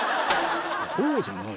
そうじゃない！